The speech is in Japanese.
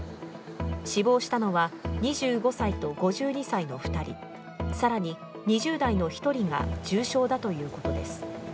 死亡したのは２５歳と５２歳の２人、更に２０代の１人が重傷だということです。